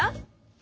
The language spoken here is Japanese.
え？